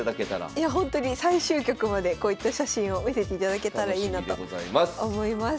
いやほんとに最終局までこういった写真を見せていただけたらいいなと思います。